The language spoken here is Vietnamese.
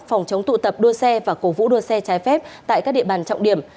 phòng chống tụ tập đua xe và cổ vũ đua xe trái phép tại các địa bàn trọng điểm